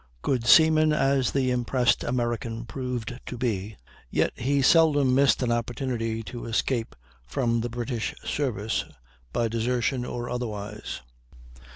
] Good seaman as the impressed American proved to be, yet he seldom missed an opportunity to escape from the British service, by desertion or otherwise.